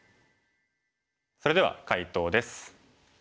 それでは解答です。